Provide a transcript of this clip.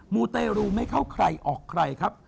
มูเตรูไม่เข้าใครออกใครครับ